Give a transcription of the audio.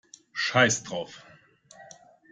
Scheiß drauf!